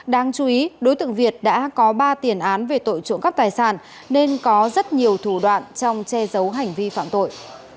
đáng chú ý đối tượng việt đã có ba tiền án về tội trộm cắp tài sản nên có rất nhiều thủ đoạn trong che giấu hành vi phạm tội